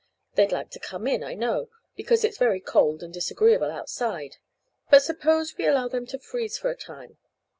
They'd like to come in, I know, because it's very cold and disagreeable outside; but suppose we allow them to freeze for a time?